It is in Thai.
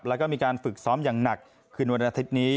แล้วก็มีการฝึกซ้อมอย่างหนักคืนวันอาทิตย์นี้